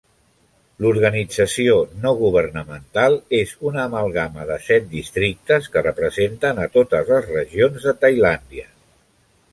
L'organització no governamental és una amalgama de set districtes que representen a totes les regions de Tailàndia.